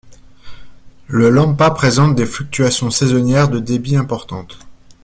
Le Lempa présente des fluctuations saisonnières de débit importantes.